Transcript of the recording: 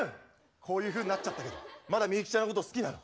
こういうふうになっちゃったけどまだみゆきちゃんのこと好きなの？